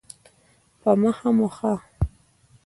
په مخه مو ښه.